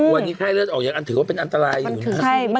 วันนี้ไข้เลือดออกถือว่าเป็นอันตรายอยู่นะฮะ